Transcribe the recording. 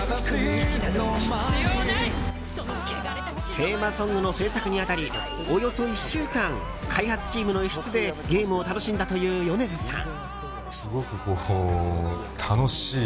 テーマソングの制作に当たりおよそ１週間開発チームの一室でゲームを楽しんだという米津さん。